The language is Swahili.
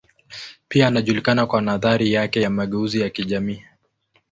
Pia anajulikana kwa nadharia yake ya mageuzi ya kijamii.